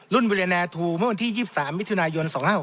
รุ่นเวลียเนอร์ทูลเมื่อวันที่๒๓มิถุนายน๒๕๖๕